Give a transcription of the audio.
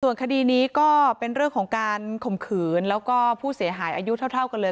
ส่วนคดีนี้ก็เป็นเรื่องของการข่มขืนแล้วก็ผู้เสียหายอายุเท่ากันเลย